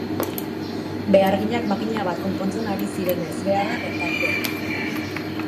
Beharginak makina bat konpontzen ari ziren ezbeharra gertatu denean.